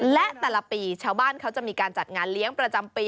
และแต่ละปีชาวบ้านเขาจะมีการจัดงานเลี้ยงประจำปี